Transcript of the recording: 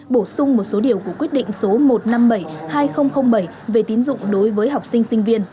bổ sung một số điều của quyết định số một trăm năm mươi bảy hai nghìn bảy về tín dụng đối với học sinh sinh viên